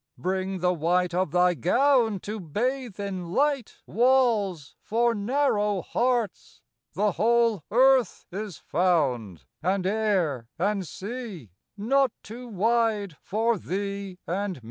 Bring the white Of thy gown to bathe in light Walls for narrow hearts. The whole Earth is found, and air and sea, Not too wide for thee and me.